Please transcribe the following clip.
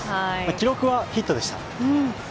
記録はヒットでした。